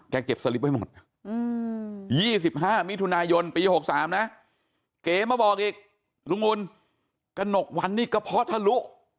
เก็บสลิปไว้หมด๒๕มิถุนายนปี๖๓นะเก๋มาบอกอีกลุงอุ่นกระหนกวันนี่กระเพาะทะลุ